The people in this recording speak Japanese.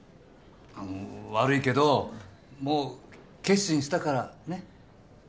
あの悪いけどもう決心したからねっ。